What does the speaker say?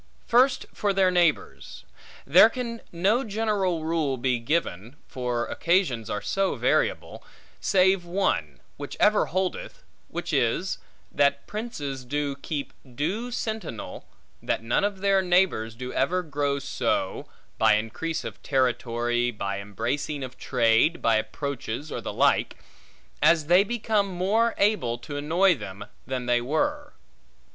First for their neighbors; there can no general rule be given (for occasions are so variable), save one, which ever holdeth, which is, that princes do keep due sentinel, that none of their neighbors do ever grow so (by increase of territory, by embracing of trade, by approaches, or the like), as they become more able to annoy them, than they were.